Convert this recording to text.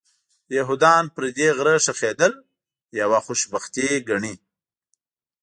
یهودان پر دې غره ښخېدل یوه خوشبختي ګڼي.